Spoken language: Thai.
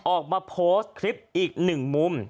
ออกมาโพสต์คลิปอีก๑มุม